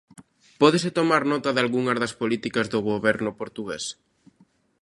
Pódese tomar nota dalgunhas das políticas do Goberno portugués?